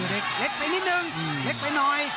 เล็กไปนิดนึงเล็กไปนอย